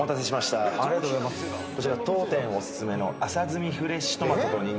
こちら当店お薦めの。